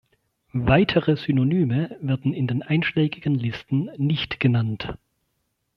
Weitere Synonyme werden in den einschlägigen Listen nicht genannt.